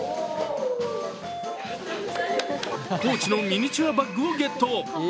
コーチのミニチュアバッグをゲット。